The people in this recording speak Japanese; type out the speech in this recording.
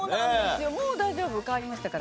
もう大丈夫変わりましたから。